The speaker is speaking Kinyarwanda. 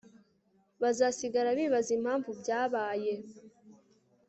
bazasigara bibaza impamvu byabaye